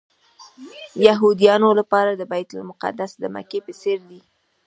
د یهودانو لپاره بیت المقدس د مکې په څېر دی.